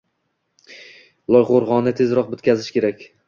Loyqo‘rg‘onni tezroq bitkazish kerak